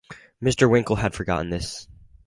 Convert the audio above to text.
Mr. Winkle had forgotten this.